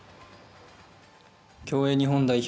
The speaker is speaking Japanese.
競泳日本代表